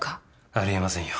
あり得ませんよ。